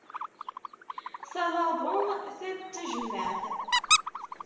Ta d aḍu ta d tajemmaɛt.